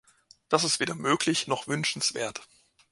Das ist weder möglich noch wünschenswert.